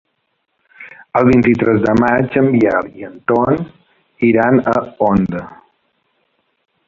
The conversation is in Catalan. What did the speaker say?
El vint-i-tres de maig en Biel i en Ton iran a Onda.